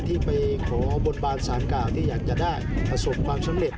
ที่ไปขอบนบานสารกล่าวที่อยากจะได้ประสบความสำเร็จ